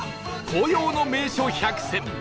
紅葉の名所１００選